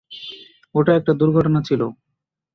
ওটা একটা দূর্ঘটনা ছিল।